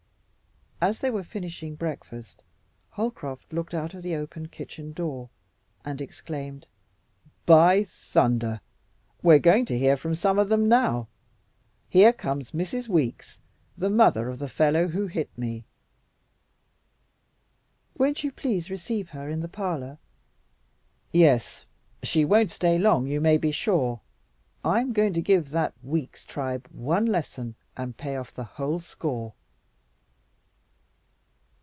As they were finishing breakfast, Holcroft looked out of the open kitchen door and exclaimed, "By thunder! We're going to hear from some of them now. Here comes Mrs. Weeks, the mother of the fellow who hit me." "Won't you please receive her in the parlor?" "Yes, she won't stay long, you may be sure. I'm going to give that Weeks tribe one lesson and pay off the whole score."